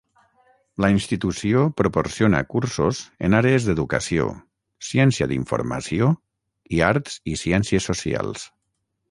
La institució proporciona cursos en àrees d'educació, ciència d'informació, i arts i ciències socials.